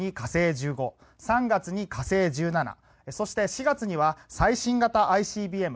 １５、３月に火星１７そして、４月には最新型ＩＣＢＭ